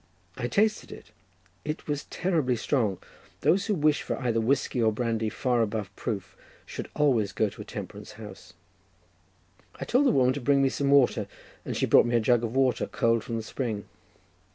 I tasted it; it was terribly strong. Those who wish for either whiskey or brandy far above proof should always go to a temperance house. I told the woman to bring me some water, and she brought me a jug of water cold from the spring.